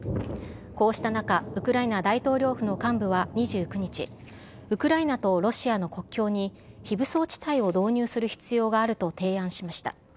こうした中、ウクライナ大統領府の幹部は２９日、ウクライナとロシアの国境に非武装地帯を導入する必要があると提案しました。